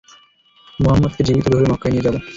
মুহাম্মাদকে জীবিত ধরে মক্কায় নিয়ে যাব।